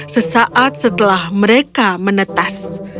sesaat setelah mereka menetas